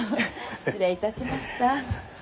失礼いたしました。